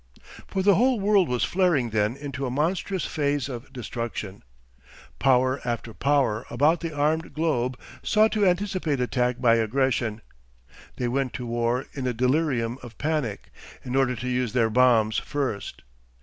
For the whole world was flaring then into a monstrous phase of destruction. Power after Power about the armed globe sought to anticipate attack by aggression. They went to war in a delirium of panic, in order to use their bombs first.